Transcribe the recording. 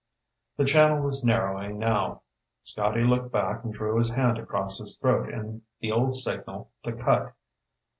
The channel was narrowing now. Scotty looked back and drew his hand across his throat in the old signal to "cut."